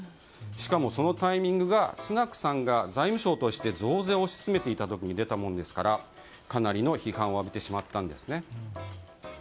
しかもそのタイミングがスナクさんが財務相として増税を推し進めていた時に出たのでかなりの批判を浴びたんですね。